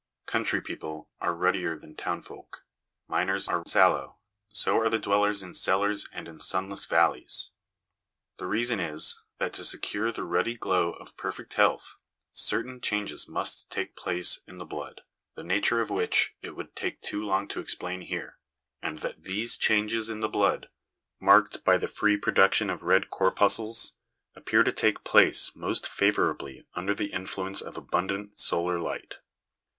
Country people are ruddier than town folk ; miners are sallow, so are the dwellers in cellars and in sunless valleys. The reason is, that, to secure the ruddy glow of perfect health, certain changes must take place in the blood the nature of which it would take too long to explain here and that these changes in the blood, marked by the free production of red corpuscles, appear to take place most favourably under the influence of abund ant solar light.